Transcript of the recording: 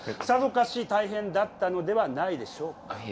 さぞかし大変だったのではないでしょうか。